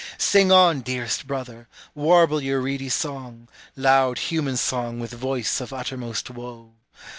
Sing on, dearest brother, warble your reedy song, Loud human song, with voice of uttermost woe.